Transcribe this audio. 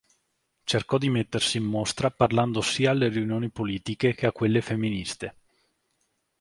Cercò di mettersi in mostra parlando sia alle riunioni politiche che a quelle femministe.